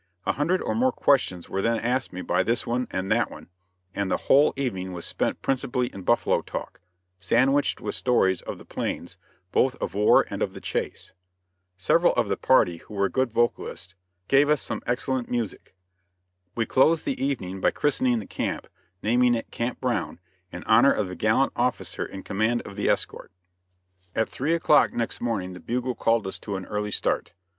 A hundred or more questions were then asked me by this one and that one, and the whole evening was spent principally in buffalo talk, sandwiched with stories of the plains both of war and of the chase. Several of the party, who were good vocalists, gave us some excellent music. We closed the evening by christening the camp, naming it Camp Brown, in honor of the gallant officer in command of the escort. At three o'clock next morning the bugle called us to an early start.